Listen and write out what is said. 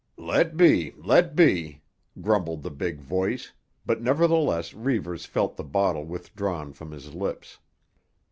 "Let be, let be," grumbled the big voice, but nevertheless Reivers felt the bottle withdrawn from his lips.